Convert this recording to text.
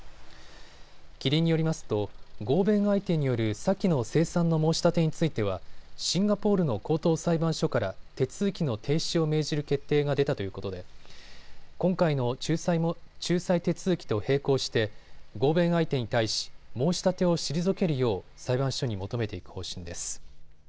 キリンによりますと合弁相手による先の清算の申し立てについてはシンガポールの高等裁判所から手続きの停止を命じる決定が出たということで今回の仲裁手続きと並行して合弁相手に対し申し立てを退けるよう裁判所に求めていく方針です。